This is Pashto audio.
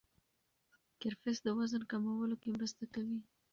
کرفس د وزن کمولو کې مرسته کوي.